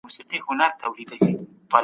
افغانان د خپل مشر لارښوونې تعقیب کړې.